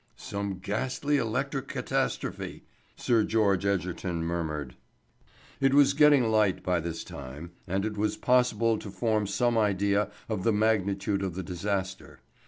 "Some ghastly electric catastrophe," Sir George Egerton murmured. It was getting light by this time, and it was possible to form some idea of the magnitude of the disaster.